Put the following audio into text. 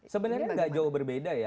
sebenarnya nggak jauh berbeda ya